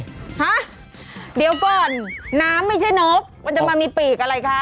ฮะเดี๋ยวก่อนน้ำไม่ใช่นกมันจะมามีปีกอะไรคะ